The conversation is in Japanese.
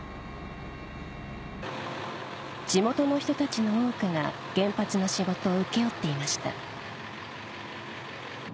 地元の人たちの多くが原発の仕事を請け負っていました